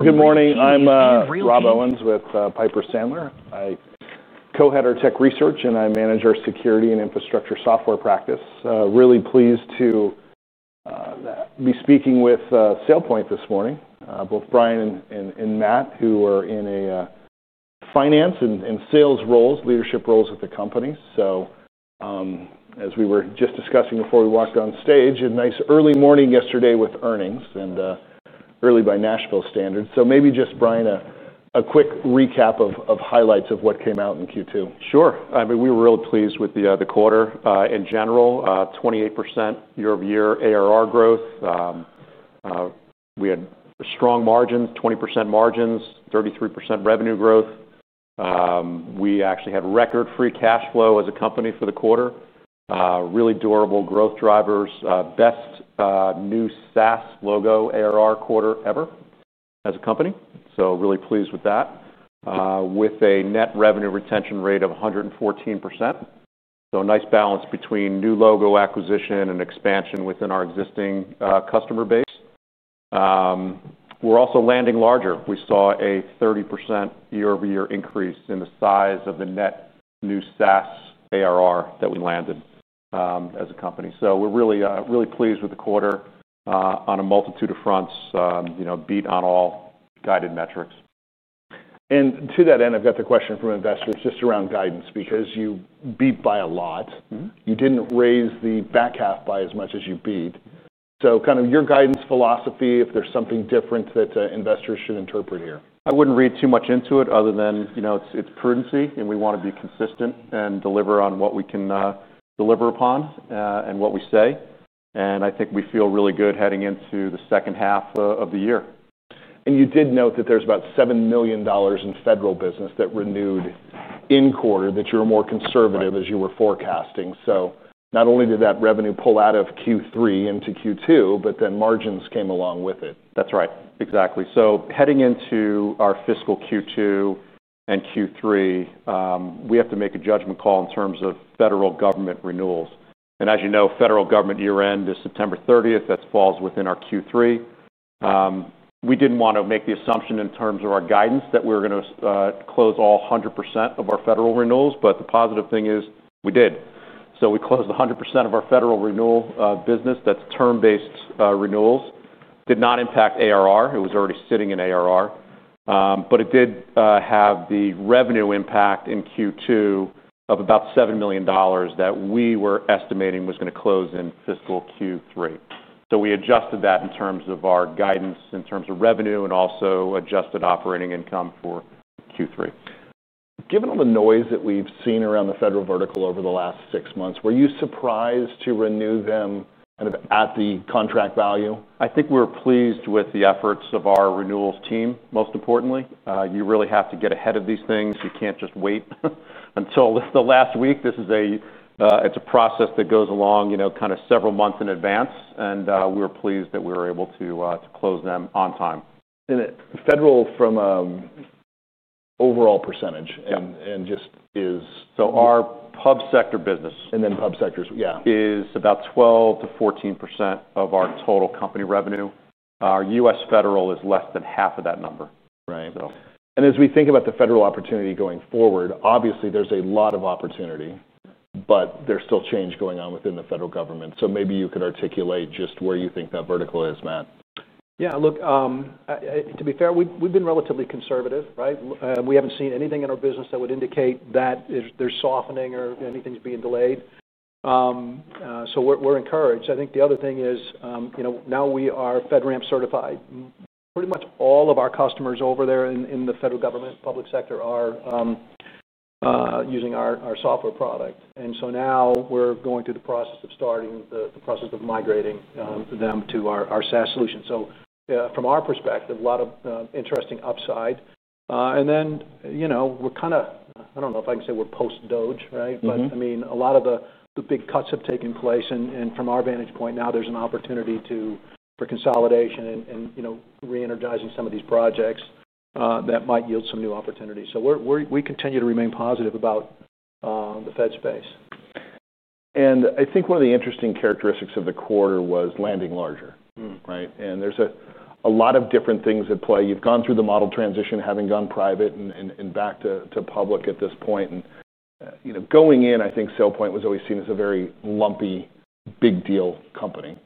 Good morning. I'm Robbie Owens with Piper Sandler. I co-head our tech research and I manage our security and infrastructure software practice. Really pleased to be speaking with SailPoint this morning, both Brian and Matt, who are in finance and sales roles, leadership roles at the company. As we were just discussing before we walked on stage, a nice early morning yesterday with earnings and early by Nashville standards. Maybe just, Brian, a quick recap of highlights of what came out in Q2. Sure. I mean, we were really pleased with the quarter in general, 28% year-over-year ARR growth. We had strong margins, 20% margins, 33% revenue growth. We actually had record free cash flow as a company for the quarter. Really durable growth drivers. Best new SaaS logo ARR quarter ever as a company. Really pleased with that, with a net revenue retention rate of 114%. A nice balance between new logo acquisition and expansion within our existing customer base. We're also landing larger. We saw a 30% year-over-year increase in the size of the net new SaaS ARR that we landed as a company. We're really, really pleased with the quarter on a multitude of fronts, beat on all guided metrics. I've got the question from investors just around guidance because you beat by a lot. You didn't raise the back half by as much as you beat. Kind of your guidance philosophy, if there's something different that investors should interpret here. I wouldn't read too much into it other than, you know, it's prudency, and we want to be consistent and deliver on what we can deliver upon and what we say. I think we feel really good heading into the second half of the year. You did note that there's about $7 million in federal business that renewed in the quarter, that you're more conservative as you were forecasting. Not only did that revenue pull out of Q3 into Q2, but then margins came along with it. That's right. Exactly. Heading into our fiscal Q2 and Q3, we have to make a judgment call in terms of U.S. federal government renewals. As you know, U.S. federal government year-end is September 30th. That falls within our Q3. We didn't want to make the assumption in terms of our guidance that we were going to close all 100% of our federal renewals. The positive thing is we did. We closed 100% of our federal renewal business. That's term-based renewals. Did not impact ARR. It was already sitting in ARR. It did have the revenue impact in Q2 of about $7 million that we were estimating was going to close in fiscal Q3. We adjusted that in terms of our guidance, in terms of revenue, and also adjusted operating income for Q3. Given all the noise that we've seen around the federal vertical over the last six months, were you surprised to renew them kind of at the contract value? I think we were pleased with the efforts of our renewals team. Most importantly, you really have to get ahead of these things. You can't just wait until the last week. It's a process that goes along several months in advance. We were pleased that we were able to close them on time. The federal from an overall percentage, and just is, so our public sector business. Public sectors, yeah. Is about 12% to 14% of our total company revenue. Our U.S. federal is less than half of that number. Right. As we think about the federal opportunity going forward, obviously there's a lot of opportunity, but there's still change going on within the U.S. federal government. Maybe you could articulate just where you think that vertical is, Matt. Yeah, look, to be fair, we've been relatively conservative, right? We haven't seen anything in our business that would indicate that there's softening or anything's being delayed. We're encouraged. I think the other thing is, you know, now we are FedRAMP certified. Pretty much all of our customers over there in the U.S. federal government public sector are using our software product. Now we're going through the process of starting the process of migrating them to our SaaS solution. From our perspective, a lot of interesting upside. You know, we're kind of, I don't know if I can say we're post-DOGE, right? I mean, a lot of the big cuts have taken place. From our vantage point now, there's an opportunity for consolidation and re-energizing some of these projects that might yield some new opportunities. We continue to remain positive about the Fed space. I think one of the interesting characteristics of the quarter was landing larger, right? There's a lot of different things at play. You've gone through the model transition, having gone private and back to public at this point. Going in, I think SailPoint was always seen as a very lumpy, big deal company.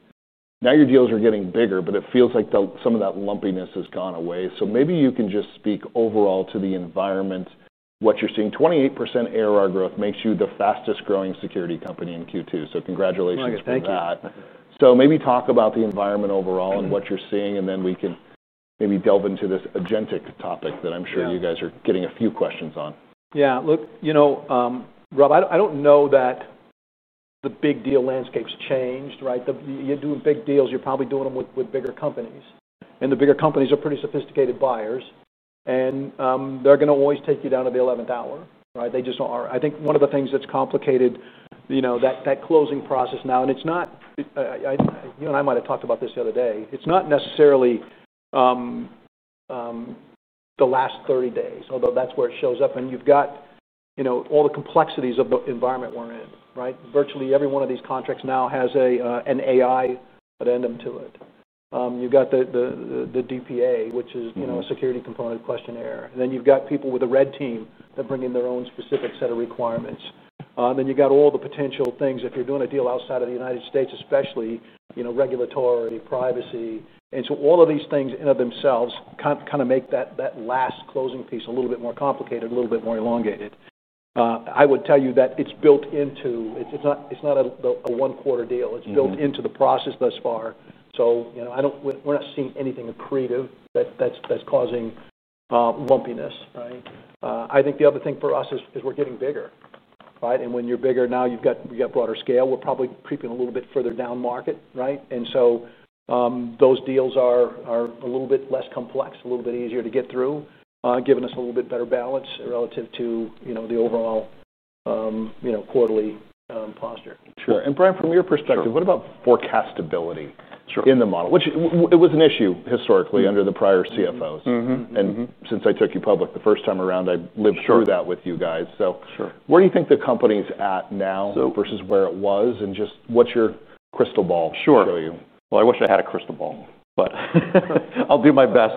Now your deals are getting bigger, but it feels like some of that lumpiness has gone away. Maybe you can just speak overall to the environment, what you're seeing. 28% ARR growth makes you the fastest growing security company in Q2. Congratulations on that. Thanks. Maybe talk about the environment overall and what you're seeing. Then we can maybe delve into this agentic topic that I'm sure you guys are getting a few questions on. Yeah, look, you know, Rob, I don't know that the big deal landscape's changed, right? You're doing big deals, you're probably doing them with bigger companies. The bigger companies are pretty sophisticated buyers, and they're going to always take you down to the 11th hour, right? They just are. I think one of the things that's complicated that closing process now, and it's not, you and I might have talked about this the other day, it's not necessarily the last 30 days, although that's where it shows up. You've got all the complexities of the environment we're in, right? Virtually every one of these contracts now has an AI addendum to it. You've got the DPA, which is a security component questionnaire. Then you've got people with a red team that bring in their own specific set of requirements. You've got all the potential things if you're doing a deal outside of the United States, especially regulatory, privacy. All of these things in and of themselves kind of make that last closing piece a little bit more complicated, a little bit more elongated. I would tell you that it's built into, it's not a one-quarter deal. It's built into the process thus far. We're not seeing anything creative that's causing lumpiness, right? I think the other thing for us is we're getting bigger, right? When you're bigger now, you've got broader scale. We're probably creeping a little bit further down market, right? Those deals are a little bit less complex, a little bit easier to get through, giving us a little bit better balance relative to the overall quarterly posture. Sure. Brian, from your perspective, what about forecastability in the model? It was an issue historically under the prior CFOs. Since I took you public the first time around, I lived through that with you guys. Where do you think the company's at now versus where it was? What's your crystal ball? Sure. I wish I had a crystal ball, but I'll do my best.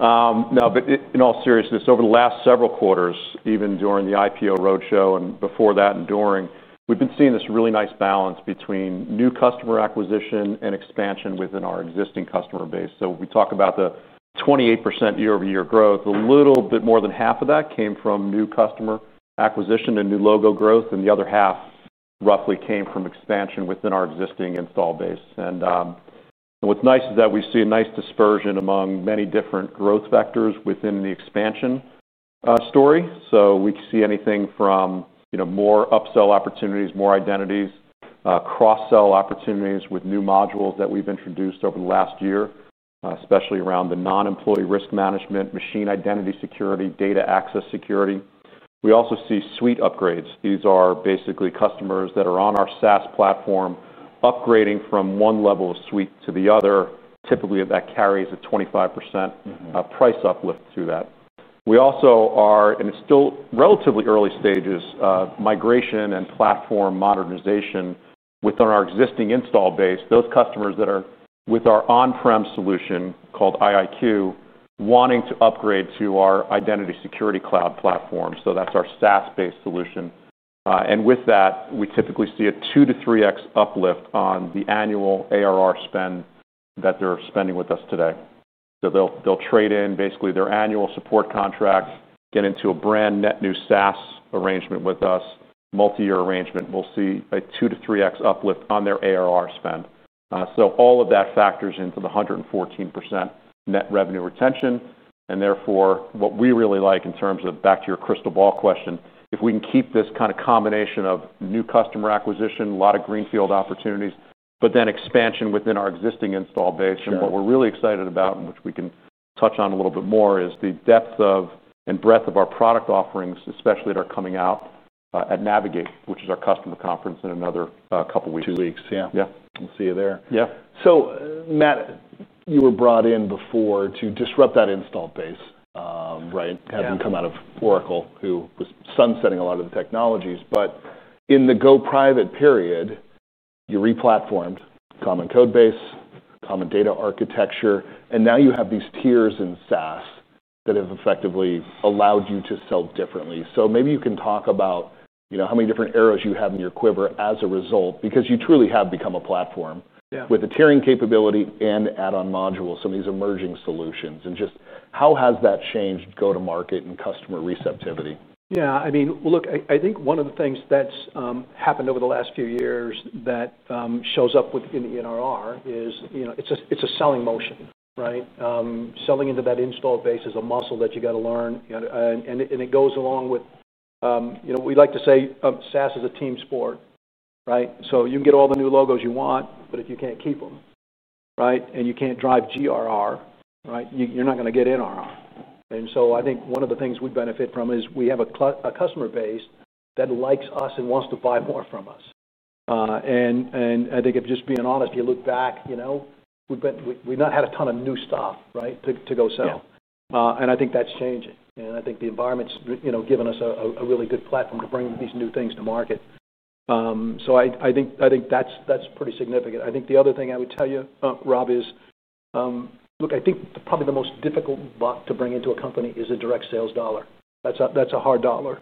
No, but in all seriousness, over the last several quarters, even during the IPO roadshow and before that and during, we've been seeing this really nice balance between new customer acquisition and expansion within our existing customer base. We talk about the 28% year-over-year growth. A little bit more than half of that came from new customer acquisition and new logo growth, and the other half roughly came from expansion within our existing install base. What's nice is that we see a nice dispersion among many different growth vectors within the expansion story. We see anything from more upsell opportunities, more identities, cross-sell opportunities with new modules that we've introduced over the last year, especially around the non-employee risk management, Machine Identity Security, Data Access Security. We also see suite upgrades. These are basically customers that are on our SaaS platform upgrading from one level of suite to the other. Typically, that carries a 25% price uplift to that. We also are, and it's still relatively early stages, migration and platform modernization within our existing install base. Those customers that are with our on-prem solution called IIQ wanting to upgrade to our Identity Security Cloud platform. That's our SaaS-based solution, and with that, we typically see a 2 to 3x uplift on the annual ARR spend that they're spending with us today. They'll trade in basically their annual support contracts, get into a brand net new SaaS arrangement with us, multi-year arrangement. We'll see a 2 to 3x uplift on their ARR spend. All of that factors into the 114% net revenue retention. Therefore, what we really like in terms of back to your crystal ball question, if we can keep this kind of combination of new customer acquisition, a lot of greenfield opportunities, but then expansion within our existing install base. What we're really excited about, and which we can touch on a little bit more, is the depth and breadth of our product offerings, especially that are coming out at Navigate, which is our customer conference in another couple of weeks. Two weeks, yeah. We'll see you there. Yeah. Matt, you were brought in before to disrupt that install base. Right. Having come out of Oracle, who was sunsetting a lot of the technologies, in the go private period, you re-platformed common code base, common data architecture, and now you have these tiers in SaaS that have effectively allowed you to sell differently. Maybe you can talk about how many different arrows you have in your quiver as a result, because you truly have become a platform with a tiering capability and add-on modules, some of these emerging solutions. Just how has that changed go-to-market and customer receptivity? Yeah, I mean, look, I think one of the things that's happened over the last few years that shows up in the NRR is, you know, it's a selling motion, right? Selling into that install base is a muscle that you got to learn. It goes along with, you know, we like to say SaaS is a team sport, right? You can get all the new logos you want, but if you can't keep them, right, and you can't drive GRR, right, you're not going to get NRR. I think one of the things we benefit from is we have a customer base that likes us and wants to buy more from us. I think if just being honest, you look back, you know, we've not had a ton of new stuff, right, to go sell. I think that's changing. I think the environment's, you know, given us a really good platform to bring these new things to market. I think that's pretty significant. I think the other thing I would tell you, Rob, is, look, I think probably the most difficult buck to bring into a company is a direct sales dollar. That's a hard dollar.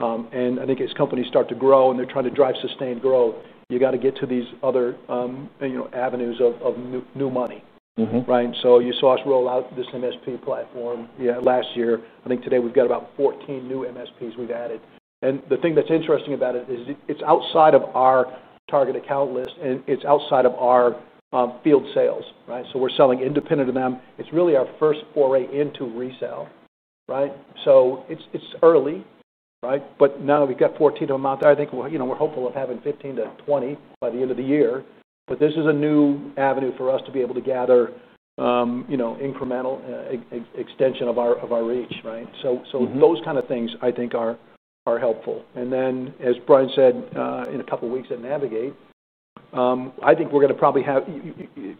I think as companies start to grow and they're trying to drive, sustain, grow, you got to get to these other, you know, avenues of new money, right? You saw us roll out this MSP platform last year. I think today we've got about 14 new MSPs we've added. The thing that's interesting about it is it's outside of our target account list and it's outside of our field sales, right? We're selling independent of them. It's really our first foray into resale, right? It's early, right? Now that we've got 14 of them out there, I think, you know, we're hopeful of having 15 to 20 by the end of the year. This is a new avenue for us to be able to gather, you know, incremental extension of our reach, right? Those kind of things I think are helpful. As Brian said, in a couple of weeks at Navigate, I think we're going to probably have,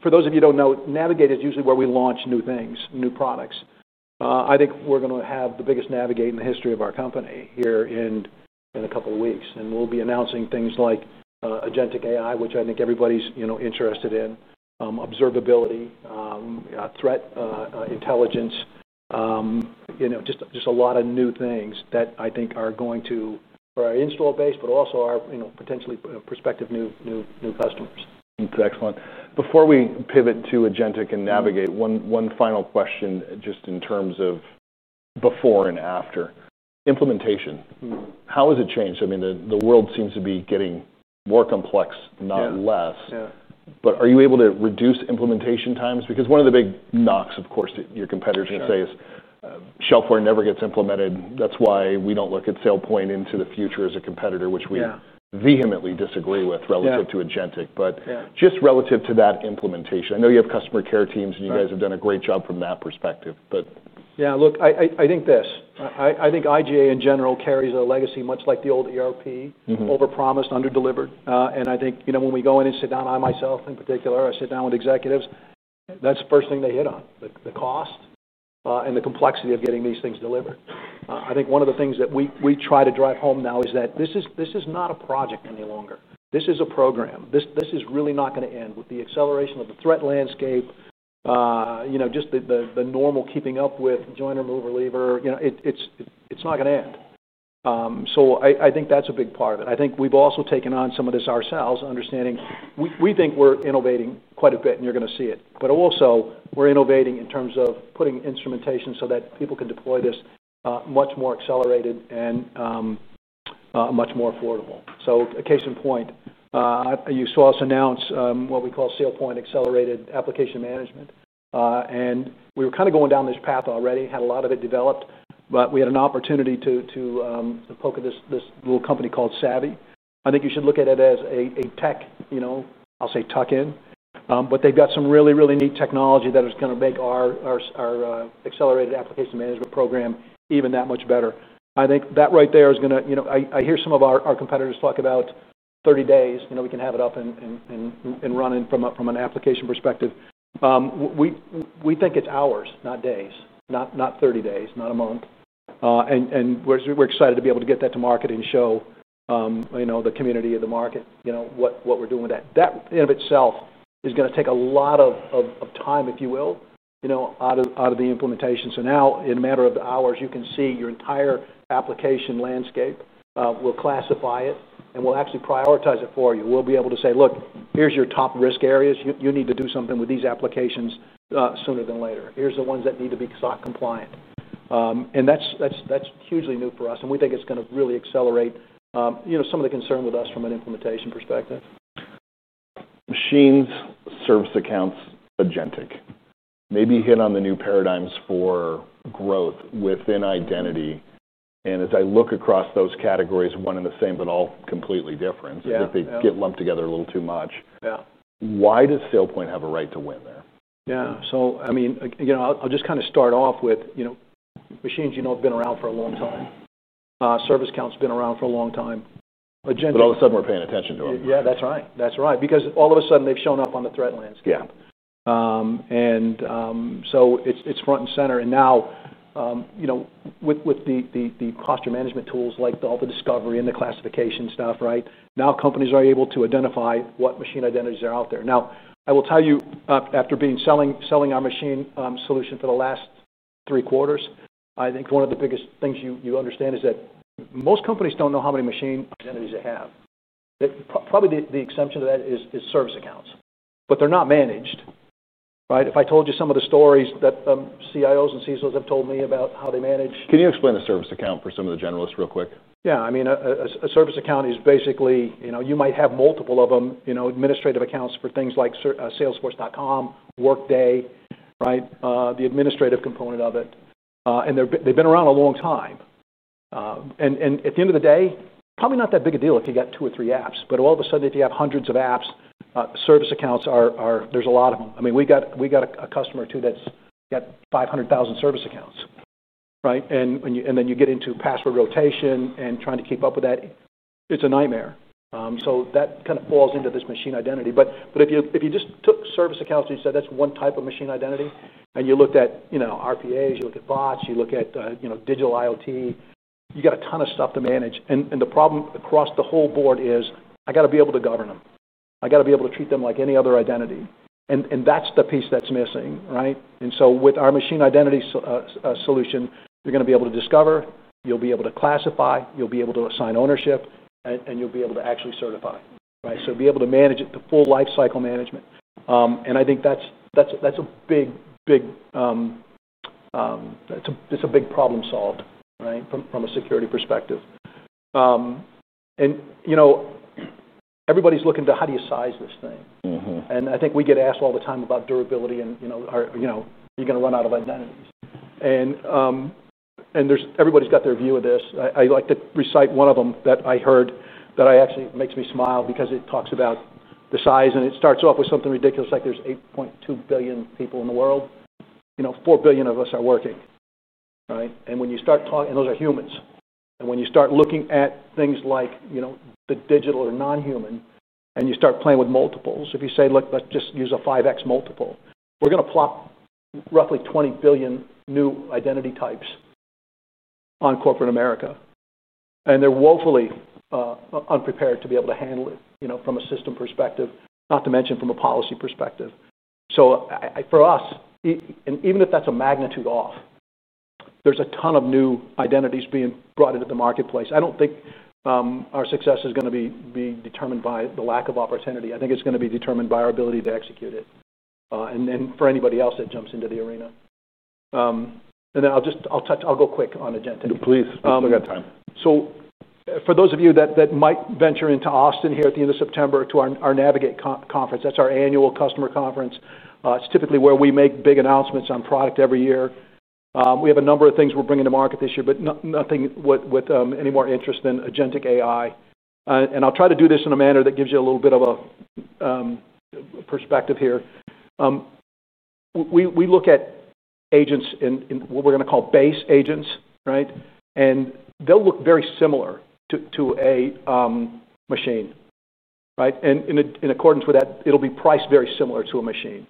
for those of you who don't know, Navigate is usually where we launch new things, new products. I think we're going to have the biggest Navigate in the history of our company here in a couple of weeks. We'll be announcing things like Agentic AI, which I think everybody's, you know, interested in, observability, threat intelligence, you know, just a lot of new things that I think are going to, for our install base, but also our, you know, potentially prospective new customers. Excellent. Before we pivot to Agentic and Navigate, one final question just in terms of before and after implementation. How has it changed? I mean, the world seems to be getting more complex, not less. Yeah, are you able to reduce implementation times? Because one of the big knocks, of course, your competitors would say is SailPoint never gets implemented. That's why we don't look at SailPoint into the future as a competitor, which we vehemently disagree with relative to Agentic. Just relative to that implementation, I know you have customer care teams and you guys have done a great job from that perspective. Yeah, look, I think this. I think IGA in general carries a legacy much like the old ERP, overpromised, under-delivered. I think, you know, when we go in and sit down, I myself in particular, I sit down with executives, that's the first thing they hit on, the cost and the complexity of getting these things delivered. One of the things that we try to drive home now is that this is not a project any longer. This is a program. This is really not going to end with the acceleration of the threat landscape, you know, just the normal keeping up with joiner, mover, leaver. You know, it's not going to end. I think that's a big part of it. We've also taken on some of this ourselves, understanding we think we're innovating quite a bit and you're going to see it. We're innovating in terms of putting instrumentation so that people can deploy this much more accelerated and much more affordable. Case in point, you saw us announce what we call SailPoint Accelerated Application Management. We were kind of going down this path already, had a lot of it developed, but we had an opportunity to poke at this little company called Saviy. I think you should look at it as a tech, you know, I'll say tuck in. They've got some really, really neat technology that is going to make our Accelerated Application Management program even that much better. I think that right there is going to, you know, I hear some of our competitors talk about 30 days, you know, we can have it up and running from an application perspective. We think it's hours, not days, not 30 days, not a month. We're excited to be able to get that to market and show, you know, the community of the market, you know, what we're doing with that. That in and of itself is going to take a lot of time, if you will, you know, out of the implementation. Now in a matter of hours, you can see your entire application landscape. We'll classify it and we'll actually prioritize it for you. We'll be able to say, look, here's your top risk areas. You need to do something with these applications sooner than later. Here's the ones that need to be SOC compliant. That's hugely new for us. We think it's going to really accelerate, you know, some of the concern with us from an implementation perspective. Machines, service accounts, Agentic. Maybe you hit on the new paradigms for growth within identity. As I look across those categories, one and the same, but all completely different, they get lumped together a little too much. Why does SailPoint have a right to win there? Yeah, I'll just kind of start off with, you know, machines have been around for a long time. Service accounts have been around for a long time. All of a sudden, we're paying attention to them. Yeah, that's right. That's right. Because all of a sudden, they've shown up on the threat landscape. It's front and center. Now, with the posture management tools, like all the discovery and the classification stuff, companies are able to identify what machine identities are out there. I will tell you, after selling our machine solution for the last three quarters, I think one of the biggest things you understand is that most companies don't know how many machine identities they have. Probably the exception to that is service accounts, but they're not managed, right? If I told you some of the stories that CIOs and CISOs have told me about how they manage. Can you explain a service account for some of the generalists real quick? Yeah, I mean, a service account is basically, you know, you might have multiple of them, you know, administrative accounts for things like salesforce.com, Workday, right? The administrative component of it. They've been around a long time. At the end of the day, probably not that big a deal if you've got two or three apps. All of a sudden, if you have hundreds of apps, service accounts are, there's a lot of them. I mean, we got a customer too that's got 500,000 service accounts, right? You get into password rotation and trying to keep up with that. It's a nightmare. That kind of falls into this machine identity. If you just took service accounts and you said that's one type of machine identity, and you looked at, you know, RPAs, you look at bots, you look at, you know, digital IoT, you got a ton of stuff to manage. The problem across the whole board is I got to be able to govern them. I got to be able to treat them like any other identity. That's the piece that's missing, right? With our Machine Identity Security solution, you're going to be able to discover, you'll be able to classify, you'll be able to assign ownership, and you'll be able to actually certify, right? You'll be able to manage it, the full lifecycle management. I think that's a big, big, it's a big problem solved, right, from a security perspective. Everybody's looking to how do you size this thing. I think we get asked all the time about durability and, you know, you're going to run out of identities. Everybody's got their view of this. I like to recite one of them that I heard that actually makes me smile because it talks about the size. It starts off with something ridiculous, like there's 8.2 billion people in the world. You know, 4 billion of us are working, right? When you start talking, and those are humans. When you start looking at things like, you know, the digital or non-human, and you start playing with multiples, if you say, look, let's just use a 5x multiple, we're going to plop roughly 20 billion new identity types on corporate America. They're woefully unprepared to be able to handle it, you know, from a system perspective, not to mention from a policy perspective. For us, and even if that's a magnitude off, there's a ton of new identities being brought into the marketplace. I don't think our success is going to be determined by the lack of opportunity. I think it's going to be determined by our ability to execute it. For anybody else that jumps into the arena. I'll touch, I'll go quick on Agentic. Please, we've got time. For those of you that might venture into Austin here at the end of September to our Navigate conference, that's our annual customer conference. It's typically where we make big announcements on product every year. We have a number of things we're bringing to market this year, but nothing with any more interest than Agentic AI. I'll try to do this in a manner that gives you a little bit of a perspective here. We look at agents in what we're going to call base agents, right? They'll look very similar to a machine, right? In accordance with that, it'll be priced very similar to a machine.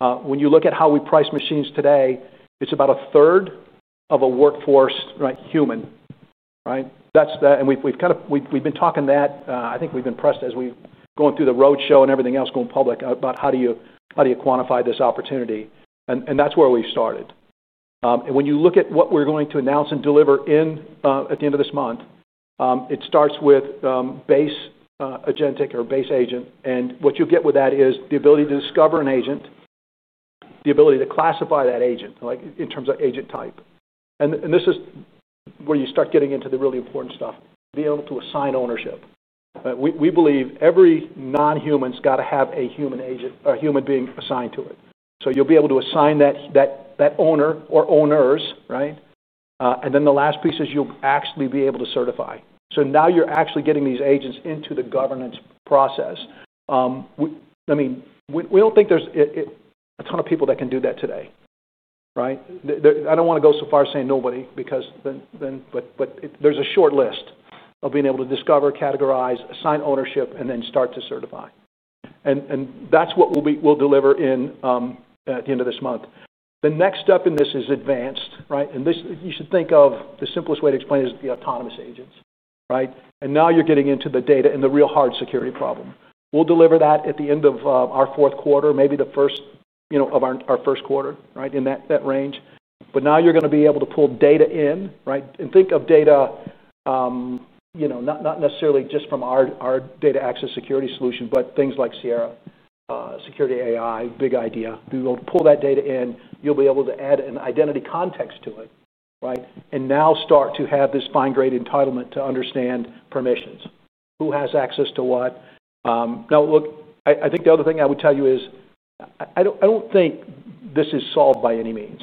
When you look at how we price machines today, it's about a third of a workforce, right, human, right? We've been talking that. I think we've been pressed as we've gone through the roadshow and everything else going public about how do you quantify this opportunity. That's where we've started. When you look at what we're going to announce and deliver at the end of this month, it starts with base Agentic or base agent. What you get with that is the ability to discover an agent, the ability to classify that agent, like in terms of agent type. This is where you start getting into the really important stuff. Be able to assign ownership. We believe every non-human's got to have a human agent, a human being assigned to it. You'll be able to assign that owner or owners, right? The last piece is you'll actually be able to certify. Now you're actually getting these agents into the governance process. We don't think there's a ton of people that can do that today, right? I don't want to go so far as saying nobody, because then, but there's a short list of being able to discover, categorize, assign ownership, and then start to certify. That's what we'll deliver at the end of this month. The next step in this is advanced, right? You should think of the simplest way to explain it as the autonomous agents, right? Now you're getting into the data and the real hard security problem. We'll deliver that at the end of our fourth quarter, maybe the first of our first quarter, right, in that range. Now you're going to be able to pull data in, right? Think of data, you know, not necessarily just from our Data Access Security solution, but things like Sierra, Security AI, Big Idea. We will pull that data in. You'll be able to add an identity context to it, right? You now start to have this fine-grained entitlement to understand permissions. Who has access to what? I think the other thing I would tell you is I don't think this is solved by any means.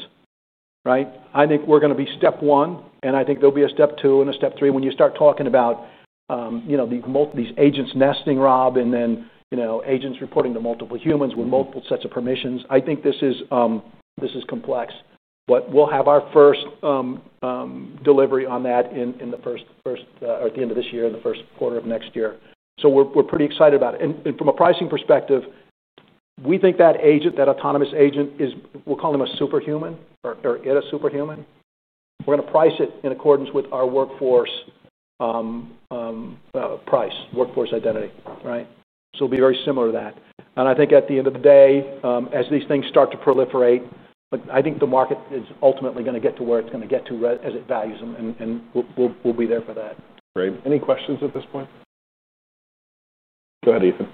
I think we're going to be step one, and I think there will be a step two and a step three when you start talking about these agents nesting, Rob, and then agents reporting to multiple humans with multiple sets of permissions. I think this is complex. We will have our first delivery on that at the end of this year, in the first quarter of next year. We're pretty excited about it. From a pricing perspective, we think that agent, that autonomous agent is, we'll call him a superhuman or get a superhuman. We're going to price it in accordance with our workforce price, workforce identity, so it will be very similar to that. I think at the end of the day, as these things start to proliferate, the market is ultimately going to get to where it's going to get to as it values them. We'll be there for that. Great. Any questions at this point? Go ahead, Ethan.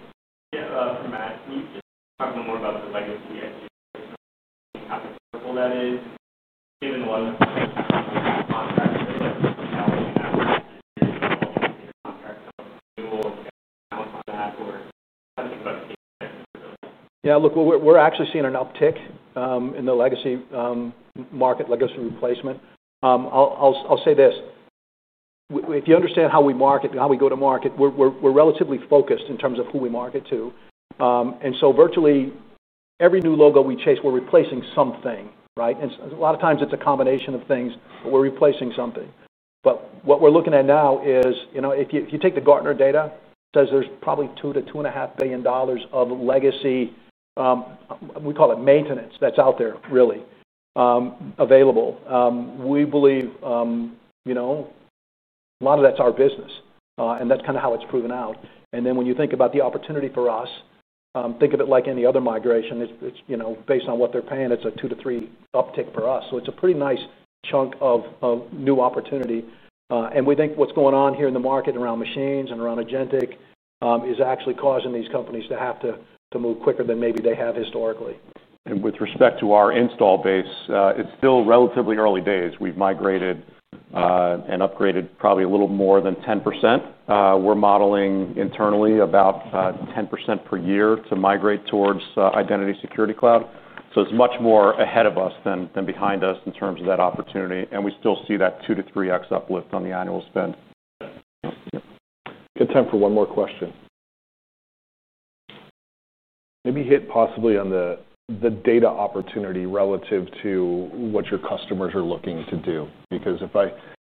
Yeah, look, we're actually seeing an uptick in the legacy market, legacy replacement. I'll say this. If you understand how we market, how we go to market, we're relatively focused in terms of who we market to. Virtually every new logo we chase, we're replacing something, right? A lot of times it's a combination of things, but we're replacing something. What we're looking at now is, you know, if you take the Gartner data, it says there's probably $2 billion to $2.5 billion of legacy, we call it maintenance, that's out there really available. We believe a lot of that's our business, and that's kind of how it's proven out. When you think about the opportunity for us, think of it like any other migration. It's, you know, based on what they're paying, it's a two to three uptick for us. It's a pretty nice chunk of new opportunity. We think what's going on here in the market around machines and around Agentic is actually causing these companies to have to move quicker than maybe they have historically. With respect to our install base, it's still relatively early days. We've migrated and upgraded probably a little more than 10%. We're modeling internally about 10% per year to migrate towards Identity Security Cloud. It is much more ahead of us than behind us in terms of that opportunity, and we still see that two to three X uplift on the annual spend. Yep. Good time for one more question. Maybe hit possibly on the data opportunity relative to what your customers are looking to do. Because if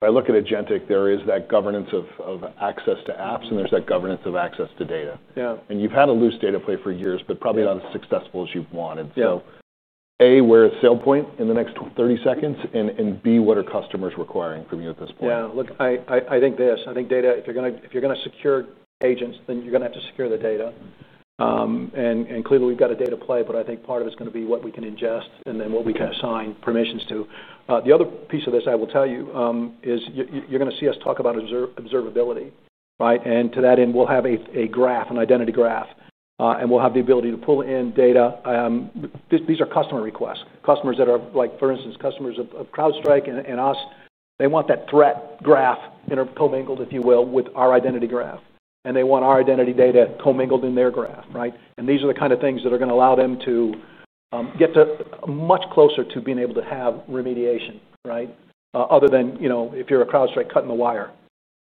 I look at Agentic AI, there is that governance of access to apps and there's that governance of access to data. Yeah. You have had a loose data play for years, but probably not as successful as you've wanted. Yeah. Where is SailPoint in the next 30 seconds? What are customers requiring from you at this point? Yeah, look, I think this. I think data, if you're going to secure agents, then you're going to have to secure the data. Clearly, we've got a data play, but I think part of it is going to be what we can ingest and then what we can assign permissions to. The other piece of this I will tell you is you're going to see us talk about observability, right? To that end, we'll have a graph, an identity graph, and we'll have the ability to pull in data. These are customer requests. Customers that are, for instance, customers of CrowdStrike and us, they want that threat graph inter-commingled, if you will, with our identity graph. They want our identity data commingled in their graph, right? These are the kind of things that are going to allow them to get much closer to being able to have remediation, right? Other than, you know, if you're a CrowdStrike cutting the wire.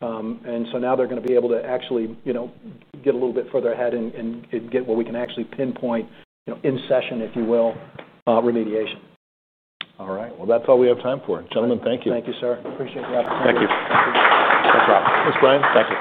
Now they're going to be able to actually, you know, get a little bit further ahead and get what we can actually pinpoint, you know, in session, if you will, remediation. All right. That's all we have time for. Gentlemen, thank you. Thank you, sir. Appreciate the opportunity. Thank you. Thanks, Robbie. Thanks, Brian. Thank you.